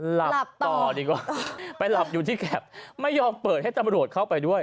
หลับต่อดีกว่าไปหลับอยู่ที่แคปไม่ยอมเปิดให้ตำรวจเข้าไปด้วย